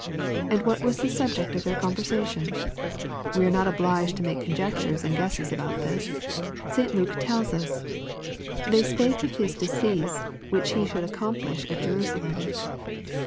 And what was the subject of their conversation ? We are not obliged to make conjectures and guesses about this. St. Luke tells us, " they spake of His decease, which He should accom plish at Jerusalem.''